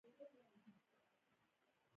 د سبزیجاتو د پرې کولو چینجي څنګه کنټرول کړم؟